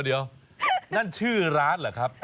เดี๋ยวนั่นชื่อร้านเหรอครับ